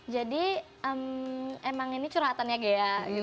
jadi emang ini curhatannya ghea gitu